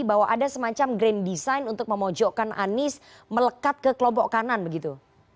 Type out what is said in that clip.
bahwa ada semacam grand design untuk memojokkan anies melekat ke kelompok kanan begitu